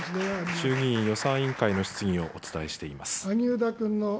衆議院予算委員会の質疑をお伝えしています。